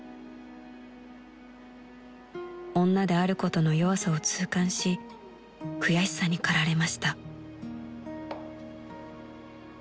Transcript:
［女であることの弱さを痛感し悔しさに駆られました］